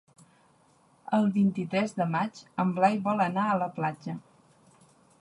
El vint-i-tres de maig en Blai vol anar a la platja.